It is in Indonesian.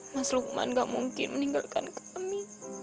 mas lukman gak mungkin meninggalkan kami